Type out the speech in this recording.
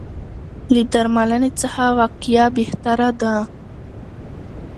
له درملنې څخه وقایه بهتره ده.